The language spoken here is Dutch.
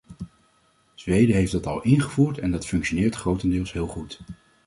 Zweden heeft dat al ingevoerd en dat functioneert grotendeels heel goed.